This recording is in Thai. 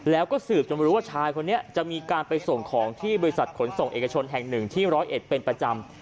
แล้วก็สืบจนมารู้ว่าชายคนนี้จะมีการไปส่งของที่บริษัทขนส่งเอกชนแห่งหนึ่งที่ร้อยเอ็ดเป็นประจำ